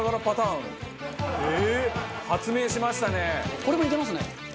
これもいけますね。